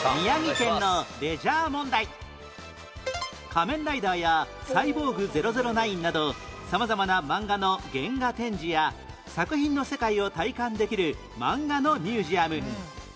『仮面ライダー』や『サイボーグ００９』など様々な漫画の原画展示や作品の世界を体感できる漫画のミュージアム